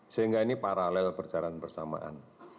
sehingga ini paralel berjalan bersamaan